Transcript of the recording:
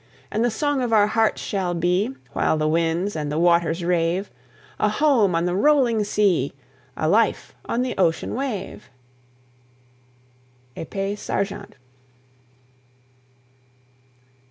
And the song of our hearts shall be, While the winds and the waters rave, A home on the rolling sea! A life on the ocean wave! EPES SARGENT.